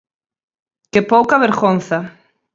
¡Que pouca vergonza!